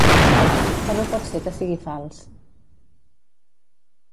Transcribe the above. Que no pot ser que sigui fals.